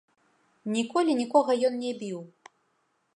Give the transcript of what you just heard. Ніколі нікога ён не біў.